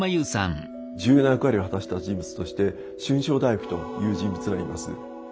重要な役割を果たした人物として春松大夫という人物がいます。